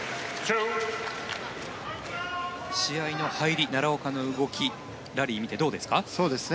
試合の入り、奈良岡の動きラリー見てどうですか？